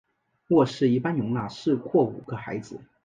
卧室一般容纳四或五个孩子。